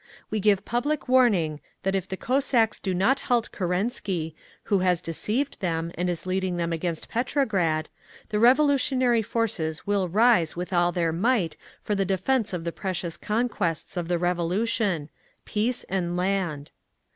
"We give public warning that if the Cossacks do not halt Kerensky, who has deceived them and is leading them against Petrograd, the revolutionary forces will rise with all their might for the defence of the precious conquests of the Revolution—Peace and Land.